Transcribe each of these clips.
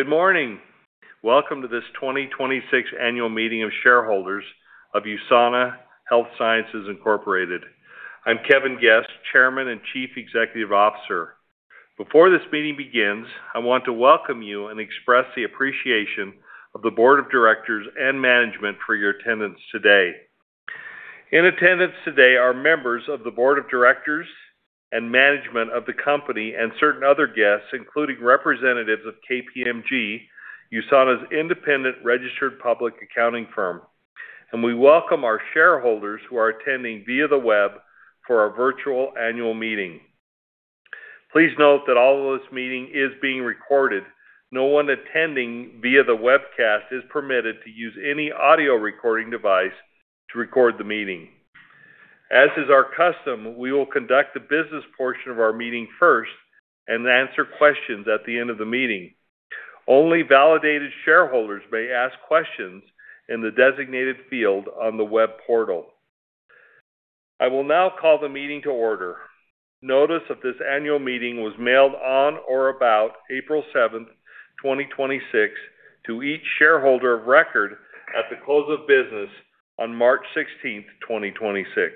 Good morning. Welcome to this 2026 annual meeting of shareholders of USANA Health Sciences Incorporated. I'm Kevin Guest, Chairman and Chief Executive Officer. Before this meeting begins, I want to welcome you and express the appreciation of the Board of Directors and management for your attendance today. In attendance today are members of the Board of Directors and management of the company and certain other guests, including representatives of KPMG, USANA's independent registered public accounting firm. We welcome our shareholders who are attending via the web for our virtual annual meeting. Please note that all of this meeting is being recorded. No one attending via the webcast is permitted to use any audio recording device to record the meeting. As is our custom, we will conduct the business portion of our meeting first and answer questions at the end of the meeting. Only validated shareholders may ask questions in the designated field on the web portal. I will now call the meeting to order. Notice of this annual meeting was mailed on or about April 7th, 2026 to each shareholder of record at the close of business on March 16th, 2026.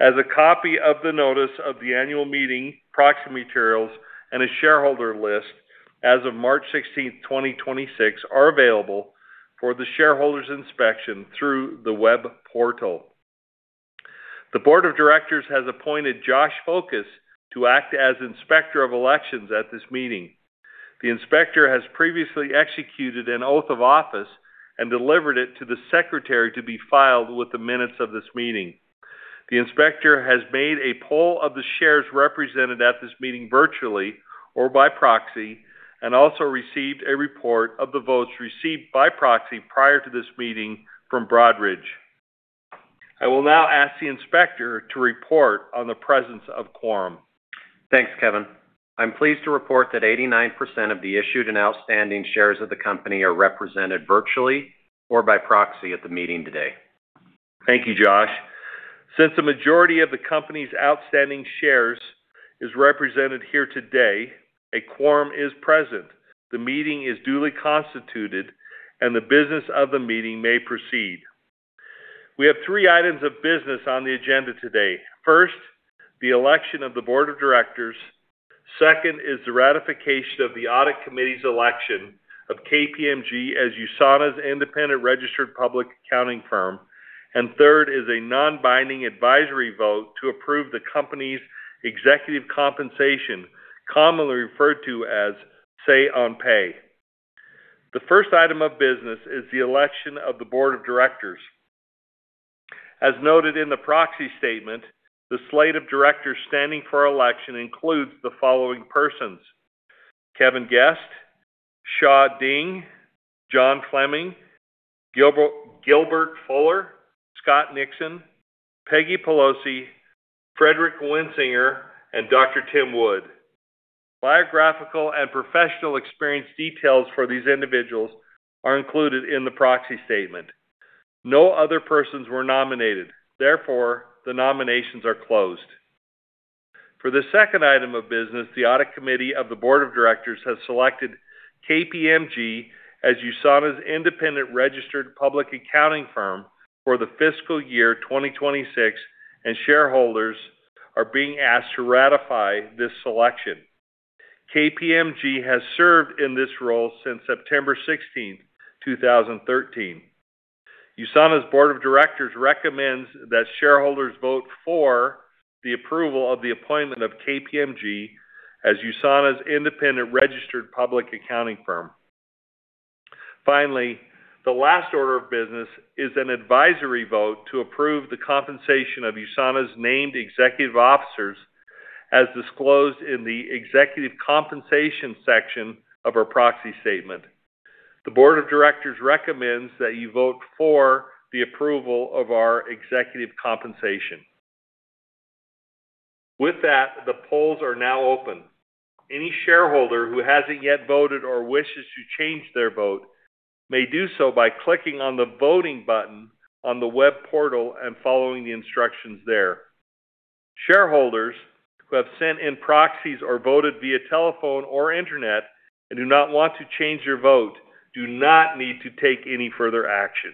As a copy of the notice of the annual meeting, proxy materials, and a shareholder list as of March 16th, 2026 are available for the shareholders' inspection through the web portal. The board of directors has appointed P. Joshua Foukas to act as Inspector of Elections at this meeting. The Inspector has previously executed an oath of office and delivered it to the Secretary to be filed with the minutes of this meeting. The inspector has made a poll of the shares represented at this meeting virtually or by proxy, and also received a report of the votes received by proxy prior to this meeting from Broadridge. I will now ask the inspector to report on the presence of quorum. Thanks, Kevin. I'm pleased to report that 89% of the issued and outstanding shares of the company are represented virtually or by proxy at the meeting today. Thank you, Joshua. Since the majority of the company's outstanding shares is represented here today, a quorum is present. The meeting is duly constituted, and the business of the meeting may proceed. We have three items of business on the agenda today. First, the election of the board of directors. Second is the ratification of the audit committee's election of KPMG as USANA's independent registered public accounting firm. Third is a non-binding advisory vote to approve the company's executive compensation, commonly referred to as say on pay. The 1st item of business is the election of the board of directors. As noted in the proxy statement, the slate of directors standing for election includes the following persons: Kevin Guest, Xia Ding, John T. Fleming, Gilbert A. Fuller, J. Scott Nixon, Peggie Pelosi, Frederic J. Winssinger, and Dr. Timothy Wood. Biographical and professional experience details for these individuals are included in the proxy statement. No other persons were nominated. Therefore, the nominations are closed. For the second item of business, the audit committee of the board of directors has selected KPMG as USANA's independent registered public accounting firm for the fiscal year 2026, and shareholders are being asked to ratify this selection. KPMG has served in this role since September 16th, 2013. USANA's board of directors recommends that shareholders vote for the approval of the appointment of KPMG as USANA's independent registered public accounting firm. Finally, the last order of business is an advisory vote to approve the compensation of USANA's named executive officers, as disclosed in the executive compensation section of our proxy statement. The board of directors recommends that you vote for the approval of our executive compensation. With that, the polls are now open. Any shareholder who hasn't yet voted or wishes to change their vote may do so by clicking on the voting button on the web portal and following the instructions there. Shareholders who have sent in proxies or voted via telephone or internet and do not want to change your vote do not need to take any further action.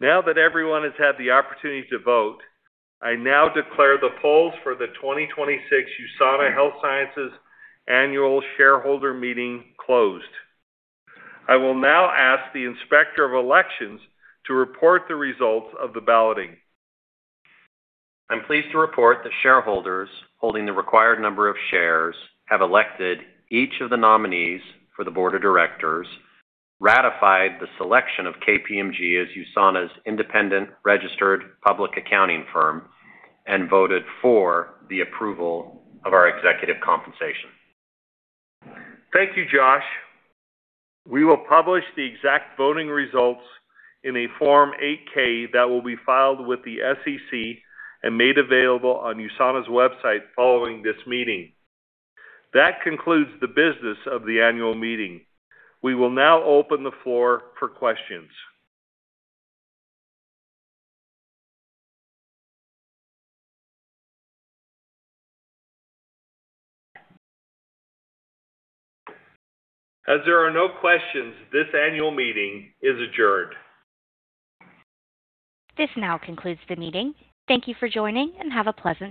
Now that everyone has had the opportunity to vote, I now declare the polls for the 2026 USANA Health Sciences Annual Shareholder Meeting closed. I will now ask the Inspector of Elections to report the results of the balloting. I'm pleased to report that shareholders holding the required number of shares have elected each of the nominees for the board of directors, ratified the selection of KPMG as USANA's independent registered public accounting firm, and voted for the approval of our executive compensation. Thank you, Joshua. We will publish the exact voting results in a Form 8-K that will be filed with the SEC and made available on USANA's website following this meeting. That concludes the business of the annual meeting. We will now open the floor for questions. As there are no questions, this annual meeting is adjourned. This now concludes the meeting. Thank you for joining, and have a pleasant day.